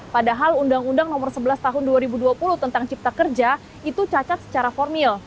padahal undang undang nomor sebelas tahun dua ribu dua puluh tentang cipta kerja itu cacat secara formil